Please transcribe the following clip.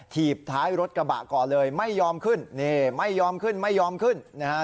ถีบท้ายรถกระบะก่อนเลยไม่ยอมขึ้นนี่ไม่ยอมขึ้นไม่ยอมขึ้นนะฮะ